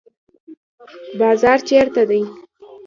بازار چیرته دی؟